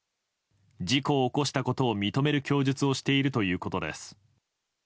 事故を起こしたことを認める供述をしているということです。